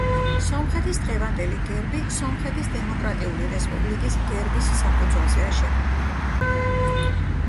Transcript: სომხეთის დღევანდელი გერბი სომხეთის დემოკრატიული რესპუბლიკის გერბის საფუძველზეა შექმნილი.